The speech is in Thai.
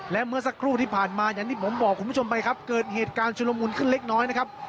และเมื่อสักครู่ที่ผ่านมาอย่างที่ผมบอกคุณผู้ชมไปครับเกิดเหตุการณ์ชุลมุนขึ้นเล็กน้อยนะครับ